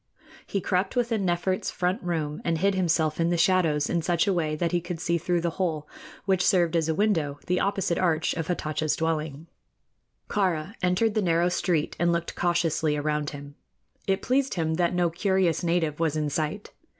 He crept within Nefert's front room and hid himself in the shadows in such a way that he could see through the hole, which served as a window, the opposite archway of Hatatcha's dwelling. Kāra entered the narrow street and looked cautiously around him. It pleased him that no curious native was in sight.